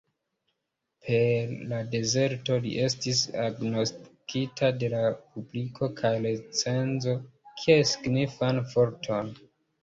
Per "La Dezerto" li estis agnoskita de la publiko kaj recenzo kiel signifan forton.